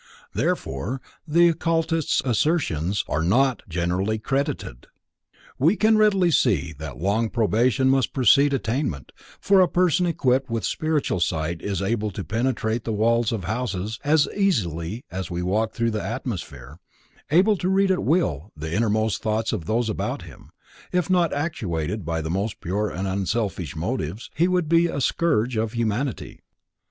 Therefore the occultist's assertions are not generally credited. We can readily see that long probation must precede attainment, for a person equipped with spiritual sight is able to penetrate walls of houses as easily as we walk through the atmosphere, able to read at will the innermost thoughts of those about him; if not actuated by the most pure and unselfish motives, he would be a scourge to humanity.